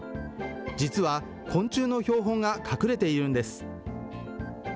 実は昆虫の標本が隠れているんです。